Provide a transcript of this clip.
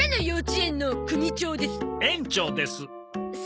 園長です。